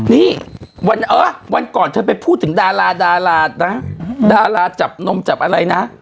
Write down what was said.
นี่วันก่อนเธอไปพูดถึงดาราดารานะดาราจับนมจับอะไรนะ